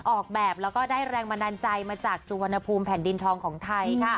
ออกแบบแล้วก็ได้แรงบันดาลใจมาจากสุวรรณภูมิแผ่นดินทองของไทย